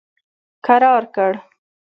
کرار کړ.